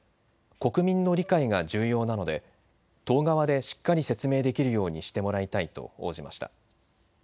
国民の理解が重要なので党側でしっかり説明できるようにしてもらいたいと応じました。